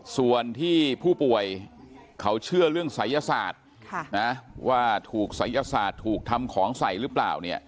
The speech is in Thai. ส่วนที่ผู้ป่วยเขาเชื่อเรื่องศัยศาสตร์ว่าถูกศัยศาสตร์ถูกทำของใส่หรือเปล่าเนี่ย